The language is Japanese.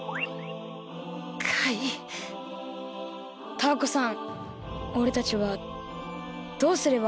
タアコさんおれたちはどうすれば？